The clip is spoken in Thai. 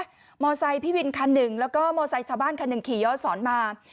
มอเตอร์ไซพี่วินคันหนึ่งแล้วก็มอเตอร์ไซชาวบ้านคันหนึ่งขี่ย้อนศรมา